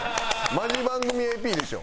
マジ番組ＡＰでしょ。